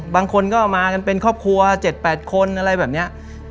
บางคนก็มากันเป็นครอบครัว๗๘คนอะไรแบบนี้